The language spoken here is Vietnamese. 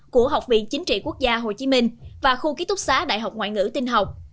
của học viện chính trị quốc gia hồ chí minh và khu ký túc xá đại học ngoại ngữ tinh học